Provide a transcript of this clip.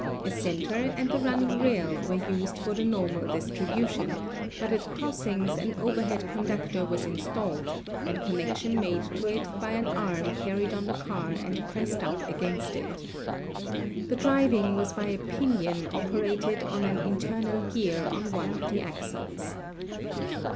A center and the running rail were used for the normal distribution, but at crossings an overhead conductor was installed and connection made to it by an arm carried on the car and pressed up against it. The driving was by a pinion operating on an internal gear on one of the axles.